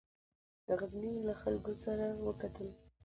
د غزني له خلکو سره وکتل.